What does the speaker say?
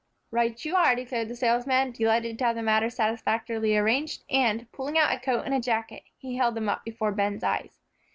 "Right you are," declared the salesman, delighted to have the matter satisfactorily arranged, and, pulling out a coat and jacket, he held them up before Ben's eyes.